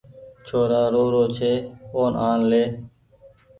ڇورآن رو رو ڇي اون آن لي